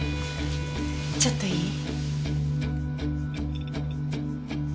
ちょっといい？